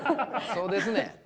そうですねん。